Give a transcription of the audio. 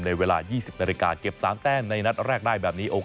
เวลา๒๐นาฬิกาเก็บ๓แต้มในนัดแรกได้แบบนี้